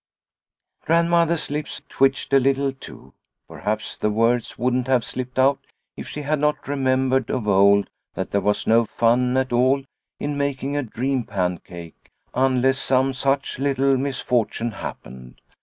Grandmother's lips twitched a little too ; perhaps the words wouldn't have slipped out if she had not remembered of old that there was no fun at all in making a dream pancake, unless some such little misfortune happened.